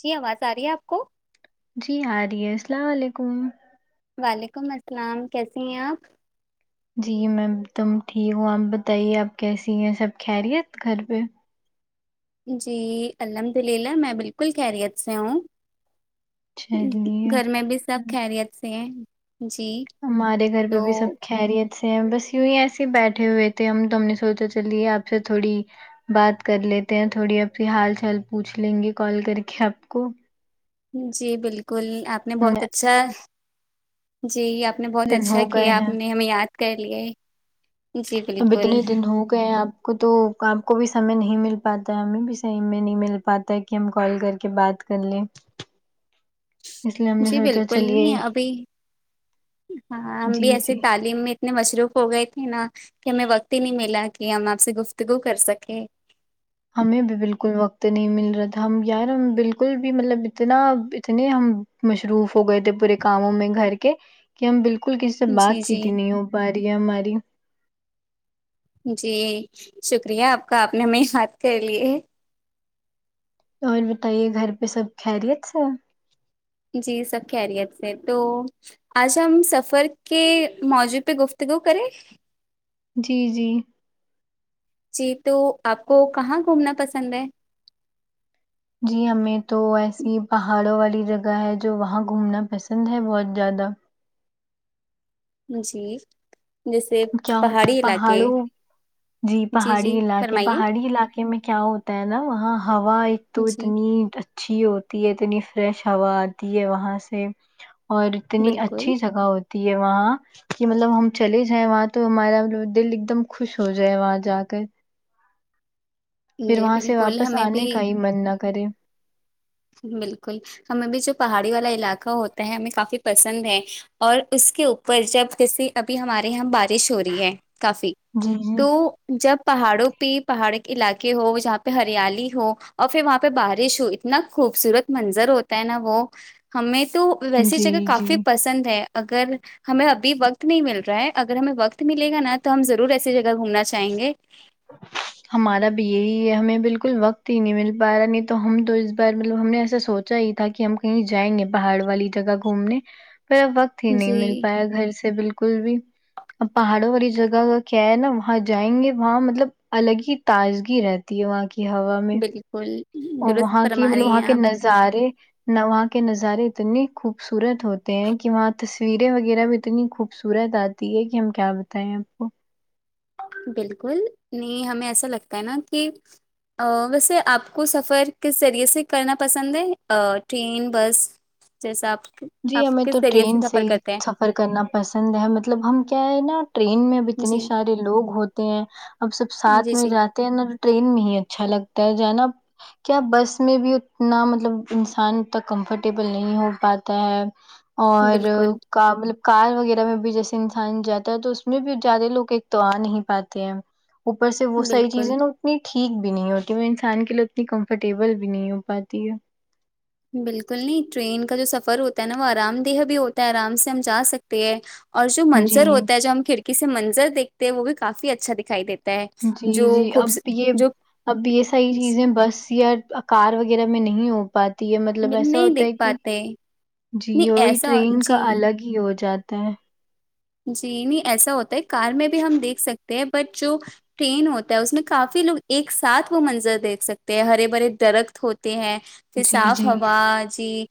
جی آواز آ رہی ہے آپ کو جی آ رہی ہے السلام علیکم وعلیکم السلام کیسی ہیں آپ جی میںم تم ٹھیک ہوں آپ بتائیے آپ کیسی ہیں سب خیر یت گھر پہ جی الحمد للہ میں بالکل خیریت سے ہوں چلیے گھر میں بھی سب خیریت سے ہیں جی ہمارے گھر پہ تو بھی سب کے خیریت سے بس یوں ہی ایس ہی بیٹھے ہوئے تھے ہم تو ہم نے سوچا چلیے آپ سے تھوڑی بات کر لیتے ہیں تھوڑی آپ سے حال چال پوچھ لیں گے کال کر کے آپ کو جی بالکل آپ نے بہت ہم- اچھا جی آپ آپ نے بہت دن اچھا ہو گئے کیا آپ ہیں نے ہمیں یاد کر لیا اب اتنے دن ہو گئے ہیں آپ کو تو آپ کو بھی سمے نہیں مل پاتا ہے ہمیں بھی سمے میں نہیں مل پاتا ہے کہ ہم کال کر کے بات کر لے جی بالکل نہیں ابھی ہاں ہم بھی جی ایسے جی تعلیم میں اتنے مصروف ہو گئے تھے نا کہ ہمیں وقت ہی نہیں ملا کہ ہم آپ سے گفتگو کر سکے ہمیں بھی بالکل وقت نہیں مل رہا تھا ہم یار ہم بالکل بھی مطلب اتنا اتنے ہم مشروف ہو گئے تھے پورے کاموں میں گھر کے کہ ہم بالکل کسی سے جی بات چیت ہی جی نہیں ہو پا رہی ہے ہماری جی شکریہ آپ کا آپ نے ہمیں یاد کرلئے اور بتائیے گھر پہ سب خیریت سے جی سب خیریت سے تو آج ہم سفر کے موضوع پہ گفتگو کریں جی جی جی تو آپ کو کہاں گھومنا پسند ہے جی ہمیں تو ایسی پہاڑوں والی جگہ ہے جو وہاں گھومنا پسند ہے بہت زیادہ جی جیسے کیا ہوتا ہے پہاڑی علاقے پہاڑوں جی پہاڑی جی علاقے فرمائیے پہاڑی علاقے میں کیا ہوتا ہے نا وہاں ہوا ایک تو جی اتنی اچھی ہوتی ہے اتنی فریش ہوا آتی ہے وہاں سے اور اتنی بالکل اچھی جگہ ہوتی ہے وہاں کہ مطلب ہم چلے ج ائے وہاں تو ہمارا دل ایک دم خوش ہو جائے وہاں جا کر پھر جی وہاں سے بالکل واپس ہمیں آنے کا بھی ہی من نہ کرے بالکل ہمیں بھی جو پہاڑی والا علاقہ ہوتا ہے ہمیں کافی پسند ہے اور اس کے اوپر جب جیسے ابھی ہمارے یہاں بارش ہو رہی ہے کافی جی جی تو جب پہاڑوں پہ پہاڑ کے علاقے ہو جہاں پہ ہریالی ہو اور پھر وہاں پہ بارش ہو اتنا خوبصورت منظر ہوتا ہے نا وہ ہمیں تو ویسی جی جگہ جی کافی پسند ہے اگر ہمیں ابھی وقت نہیں مل رہا ہے اگر ہمیں وقت ملے گا نا تو ہم ضرور ایسی جگہ گھومنا چاہیں گے ہمارا بھی یہی ہے ہمیں بالکل وقت ہی نہیں مل پا رہا نہیں تو ہم تو اس بار مطلب ہم نے ایسا سوچ چاہی تھا کہ ہم کہیں جائیں گے پہاڑ والی جگہ گھومنے پھر وقت ہی نہیں مل جی پایا گھر سے بلک بالکل بھی اب پہاڑوں والی جگہ کا کیا ہے نا وہاں جائیں گے وہاں مط طلب الگ ہی تازگی رہتی ہے وہاں کی ہوا میں کل وہاں کی مطلب وہاں کے نظارے وہاں کے نظارے اتنے خوبصورت ہوتے ہیں کہ وہاں تصویریں وغیرہ بھی اتنی خوبصورت آتے ہے کہ ہم کیا بتائیں آپ کو بالکل نہیں ہمیں ایسا لگتا ہے نا کہ آں ویسے آپ کو سفر کس ذریعے سے کرنا پسند ہے ٹرین بس جیسا آپ جی آپ ہمیں کس تو ذریعے ٹرین سے سفر ہی کرتے ہیں سفر کرنا پسند ہے مطلب ہم کیا ہے نا ٹرین میں بھی اتنے جی سارے لوگ ہوتے ہیں اب سب ساتھ جی میں جی جات تو نا ٹرین میں ہی اچھا لگتا ہے جانا کیا بس میں بھی اتنا مطلب انسان اتنا کمفرٹیبل نہیں ہو پات تے اور بالکل کا مطلب کار وغیرہ میں بھی جیسے انسان جاتا ہے تو اس میں بھی زیادہ لوگ ایک تو آ نہیں پاتے ہیں اوپر سے وہ ساری بالکل چیزیں نا ٹھیک بھی نہیں ہوتی وہ انسان کے لیے اتنی کمفرٹیبل بھی نہیں ہو پاتی ہے بالکل نہیں ٹرین کا جو سفر ہوتا ہے نا وہ آرام دہ بھی ہوتا ہے آرام سے ہم جا سکتے ہیں اور جو منظر جی ہوتا ہے جو ہم کھڑکی سے منظر دیکھتے ہیں وہ بھی کافی اچھا دکھائی دیت جی جی اب یہ اب یہ صحیح چیزیں بس یا کار وغیرہ میں نہیں ہو پاتی ہے مطلب ایسا نہیں ہوتا دیکھ ہے کہ پاتے نہیں جیو یہی ایسا ٹرین کا جی الگ ہی ہی ہو جاتا ہے جی نہیں ایسا ہوتا ہے کار میں بھی ہم دیکھ سکتے ہیں بٹ جو ٹرین ہوتا ہے اس میں کافی لوگ ایک ساتھ وہ منظر دیکھ سکتے ہیں ہرے برے درخت ہوتے ہیں پر جی، صاف جی، ہوا جی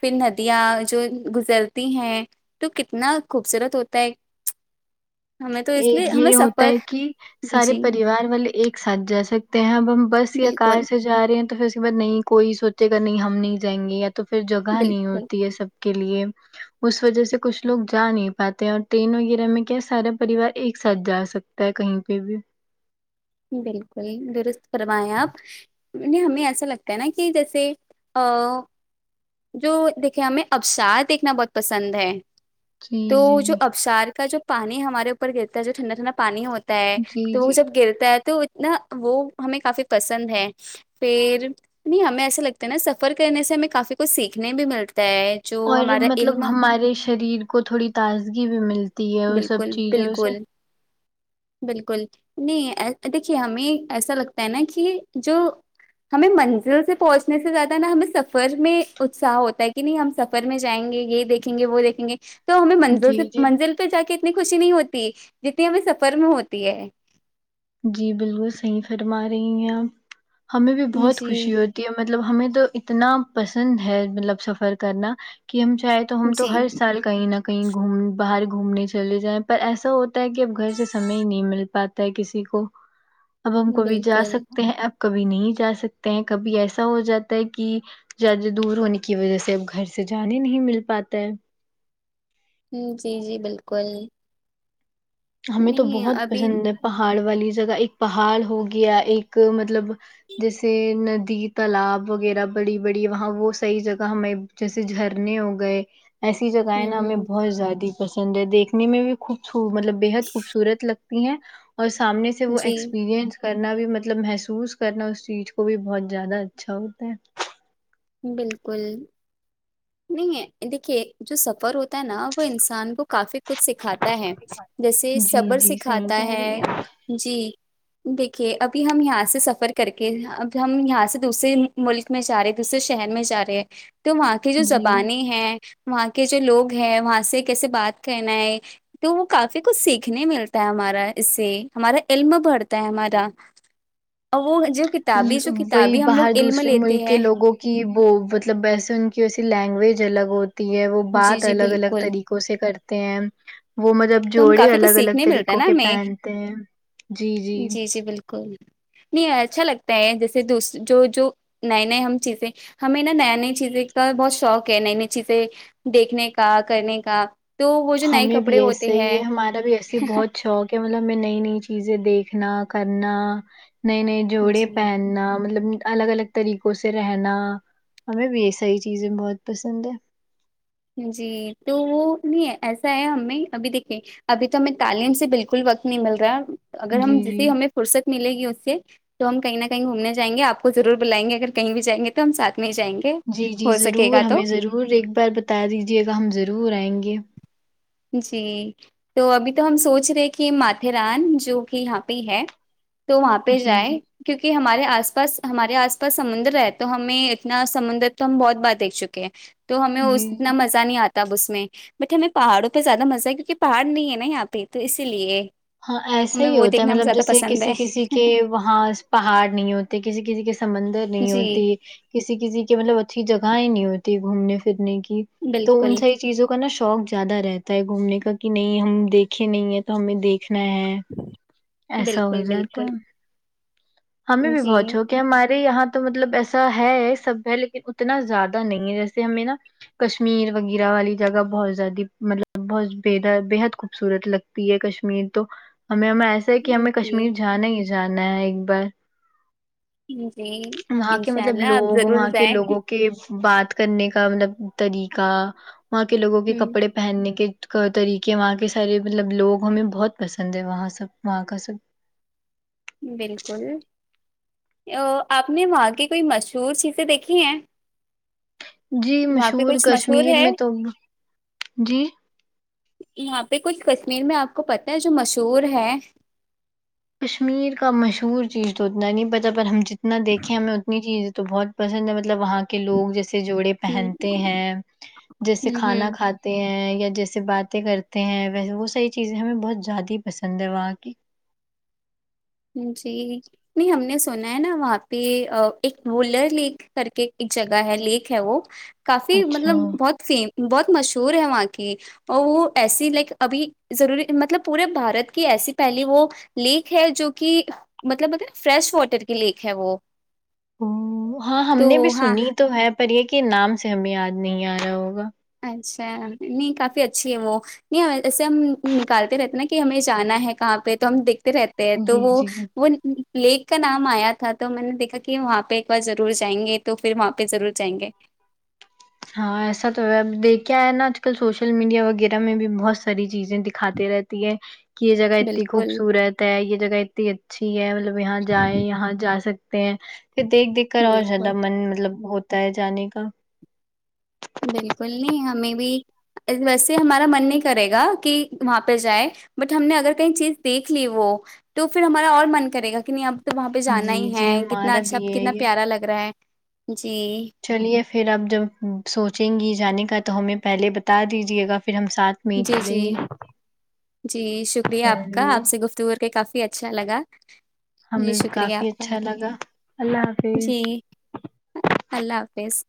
پھر ندیاں جو گزرتی ہیں تو کتنا خوبصورت ہوتا ہے ہمیں تو اس ایک لیے ہمیں یہ ہوتا سفر ہے کہ سارے جی پریوار والے ایک ساتھ جا سکتے ہیں اب ہم بس یا کار بالکل سے جا رہے ہیں تو پھر اس کے بعد نہیں کوئی سوچے گا نہیں ہم نہیں جائیں گے یا تو پھر جگہ نہیں بالکل ہوتی ہے سب کے لیے اس وجہ سے کچھ لوگ جا نہیں پاتے اور ٹرین وغیرہ میں کیا سارا پریوار ایک ساتھ جا سکتا ہے کہیں پہ بھی بالکل درست فرمائیں آپ نیی نیی ہمیں ایسا لگتا ہے نا کہ جیسے آ جو دیکھے ہمیں ابشار دیکھنا بہت پسند ہے جی، تو جی، جو ابشار کا جو پانی ہمارے اوپر گرتا ہے جو ٹھنڈا ٹھنڈا پانی ہمیں تا ہے جی، تو وہ جی۔ جب گرتا ہے تو اتنا وہ ہمیں کافی پسند ہے پھر نہیں ہمیں ایسا لگتا ہے نا سفر کرنے سے ہمیں کافی کچھ سیکھنے بھی ملتا ہے جو اور ہمارا مطلب علم ہمارے شریر کو تھوڑی تازگی بھی ملتی ہے وہ سب بالکل چیزوں سے بالکل بالکل نہیں دیکھیے ہمیں ایسا لگتا ہے نا کہ جو ہمیں منزل سے پہنچنے سے زیادہ نا ہمیں سفر میں اتساہ ہوتا ہے کہ نہیں ہم سفر سفر میں جائیں گے یہ دیکھیں گے وہ دیکھیں گے تو ہمیں منزل جی سے جی منزل پہ جا کے اتنی خوشی نہیں ہوتی جتنی ہمیں سفر میں ہوتی ہے جی بالکل صحیح فرما رہی ہیں آپ ہمیں بھی بہت جی خوشی ہے مطلب ہمیں تو اتنا پسند ہے مطلب سفر کرنا کہ ہم شاید تو ہم تو جی ہر سال کہیں نہ کہیں گھوم باہر گھومنے چلے جائیں پر ایسا ہوتا ہے کہ اب گھر سے سمے ہی نہیں مل پاتا ہے کسی کو اب ہم کبھی جا بالکل سکتے ہیں اب کبھی نہیں جا سکتے ہیں کبھی ایسا ہو جاتا ہے کہ زیادہ دور ہونے کی وجہ سے اب گھر سے جانے نہیں مل پاتا ہے ہم جی جی بالکل ہمیں تو نہیں بہت ابھی پسند ہے پہاڑ والی جگہ ایک پہاڑ ہو گیا ایک مطلب جیسے ندی تالاب وغیرہ بڑی بڑی وہاں وہ صحیح جگہ ہمیں جیسے جھرنے ہو گئے ایسی ہ جگہیں نا ہمیں ہ بہت زیادہ پسند ہے دیکھنے میں بھی خوب صو مطلب بےحد خوبصورت لگ تی ہیں اور سامنے سے وہ جی ایکسپیرئنس کرنا بھی مطلب محسوس کرنا اس چیز کو بھی بہت زیادہ اچھا ہوتا ہے بالکل نہیں ہے دیکھیے جو سفر ہوتا ہے نا وہ انسان کو کافی کچھ سکھاتا ہے جیسے جی صبر جی صحیح سکھاتا کہہ رہی ہے ہیں آپ۔ جی دیکھیے ابھی ہم یہاں سے سفر کر کے اب ہم یہاں سے دوسرے ملک میں جا رہے دوسرے شہر میں جا رہے ہیں تو وہاں کی جو جی زبانیں ہیں وہاں کے جو لوگ ہیں وہاں سے کیسے بات کرنا ہے تو وہ کافی کچھ سیکھنے ملتا ہے ہمارا اس سے ہمارا علم بڑھتا ہے ہمارا اور وہ مجھے کت کہ وہی باہر دوسرے ملک کے ہیں لوگوں کہ وہ مطلب ویسے ان کی ویسی لینگویج الگ ہوتی ہے وہ جی بات جی الگ الگ بالکل طریقے قوں سے کرتے ہیں وہ مطلب تو ہم جوڑے کافی کچھ الگ الگ سیکھنے ملتا ہے طریقوں نا کے ہمیں پہنتے ہیں جی جی جی بالکل نہیں اچھا لگتا ہے جیسے دوسر جو جو نیے نئے ہم چیزیں ہمیں نا نیے نیے چیزیں کا بہت شوق ہے نئی نئی چیزیں دیکھنے کا کرنے کا تو وہ جو نئے کپڑے ہوتے تو یہ ہیں ہمارا بھی ایسی بہت شوق ہے مطلب میں نئی نئی چیزیں دیکھنا کرنا نئی نئی جوڑے جی پہننا مطلب الگ الگ طریقوں سے رہنا ہمیں بھی یہ ساری چیزیں بہت پسند ہے جی تو وہ نہیں ہے ایسا ہے ہمیں ابھی دیکھے ابھی تو ہمیں تعلیم سے بالکل وقت نہیں مل رہا ہے اگر ہم جی جی جسے ہمیں فرصت ملے گی اس سے تو ہم کہیں نہ کہیں گھوم نے جائیں گے آپ کو ضور بلائیں گے اگر کہیں بھی جاینگے تو ہم ساتھ میں جاینگے جی جی ضرور ہمیں ضرور ایک بار بتا دیجیے گا ہم ضرور آئیں گے جی تو ابھی تو ہم سوچ رہے کہ ماتاتران جو کہ یہاں پہ ہی ہے تو وہاں پہ جی، جائے جی، کیونکہ ہمارے آس پاس ہمارے آس پاس سمندر ہے تو ہمیں اتنا سمندر تو ہم بہت بار دیکھ چکے ہیں تو ہمیں جی، اتنا جی۔ مزہ نہیں آتا اس اس میں بٹ ہمیں پہاڑوں پہ زیادہ مزہ ہے کیونکہ پہاڑ نہیں ہے نا یہاں پہ تو اسی لیے ہاں ایسا ہمیں ہی وہ ہوتا ہے دیکھنا مطلب زیادہ جیسے پسند کسی ہے کسی کے وہاں پہاڑ نہیں ہوتے کسی کسی کے سمندر نہیں جی ہوتی کسی کسی کی مطلب اچھی جگہیں نہیں ہوتی گھومنے پھرنے کی تو ان بالکل س چیزوں کا نا شوق زیادہ رہتا ہے گھومنے کا کہ نہیں ہم دیکھے نہیں ہے تو ہمیں دیکھ میں ایسا ہو بالکل جاتا بالکل ہے ہمیں بھی جی بہت شوک کہ ہمارے یہاں تو مطلب ایسا ہے سب ہے لیکن اتنا زیادہ نہیں ہے جیسے ہمیں نا کشمیر وغیرہ والی جگہ بہت زیادہ مطلب بہت بے بےحد خوبصورت لگتی پ ہے کشمیر تو ہمیں ہمیں ایسا ہے کہ ہمیں جی کشمیر جانا ہی جانا ہے ایک بار جی جی وہاں کے انشاء مطلب اللہ آپ لوگ ضرور وہاں کے جائیں لوگوں کے بات کرنے کا مطلب طریقہ وہاں کے لوگوں کے ہ کپڑے پہننے کے طریقے وہاں کے سارے مطلب لوگ ہمیں بہت پسند ہے وہاں سب وہاں کا سب بالکل آپ نے وہاں کی کوئی مشہور چیزیں دیکھی ہیں جی وہاں پہ مشہور کچھ مشہور کشمیر ہے میں تو جی یہاں پہ کچھ کشمیر میں آپ کو پت ہے جو مشہور ہے کشمیر کا مشہور چیز تو اتنا نہیں پتا پر ہم جتنا دیکھیں ہمیں اتنی چیز تو بہت پسند ہے مطلب وہاں کے لوگ جیسے جوڑے ہوں پہنتے ہیں جیسے ہوں کھانا ہوں کھات ت ہیں یا جیسے باتیں کرتے ہیں ویسے وہ صحیح چیزیں ہمیں بہت زیادہ ہی پسند ہے وہاں کی جی نہیں ہم نے سنا ہے نا وہاں پہ ایک ولر لیک کر کے ایک جگہ ہے لیک ہے وہ کافی اچھا مطلب بہت فیم بہت مشہور ہے وہاں کی اور وہ ایسی لائک ابھی ضروری مطلب پورے بھارت کی ایسی پہلی وہ لیک ہے جو کہ مطلب ا فریش واٹر کی لیک ہے وہ ہاں ہم تو نے بھی ہاں سنی تو ہے پر یہ کہ نام سے ہمیں یاد نہیں آ رہا ہوگا اچھا نہیں کافی اچھی ہے وہ نہیں ایسے ہم نکالتے رہتے ہیں نا کہ ہمیں جانا ہے کہاں پہ تو ہم دیکھتے رہتے تو جی وہ جی وہ لیک کا نام آیا تھا تو میں نے دیکھا کہ وہاں پہ ایک بار ضرور جائیں گے تو پھر وہاں پہ ضرور جائیں گے ہاں ایسا تو ہے اب دیکھ کے ہے نا آج کل سوشل میڈیا وغیرہ میں بھی بہت ساری چیزیں دکھاتے رہتے تی ہے کہ یہ جگہ اتنی بالکل خوبصورت ہے یہ جگہ اتنی اچھی ہے مطلب یہاں جائیں یہاں جا سک پھر دیکھ دیکھ کر اور بالکل زیادہ من مطلب ہوتا ہے جانے کا بالکل نہیں ہمیں بھی ویسے ہمارا من نہیں کرے گا کی وہاں پہ جائے بٹ ہم نے اگر کہیں چیز دیکھ لی وہ تو پھر ہمارا اور من کرے گا کہ نہیں اب تو وہاں پہ جانا جی ہی ہے جی کتنا ہمارا اچھا بھی کتنا یہی ہے پیارا لگ رہا ہے جی چلیے پھر آپ جب سوچیں گی جانے کا تو ہمیں پہلے بتا دیجیے گا پھر ہم ساتھ میں ہی جی جی چلیں گے جی شکریہ آپ کا چلیے آپ سے گفتگور کہ کافی اچھا لگا جی ہمیں بھی شکریہ کافی آپ کا اچھا لگا اللہ حافظ جی اللہ حافظ